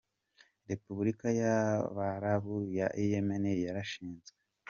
Repubulika y’abarabu ya Yemen yarashinzwe.